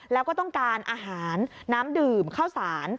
แล้วก็ต้องการอาหารน้ำดื่มข้าวสาร